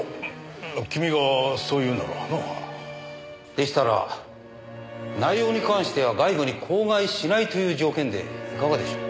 でしたら内容に関しては外部に口外しないという条件でいかがでしょう。